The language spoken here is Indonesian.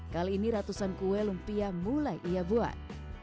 kali ini ratusan kue lumpia mulai ia buat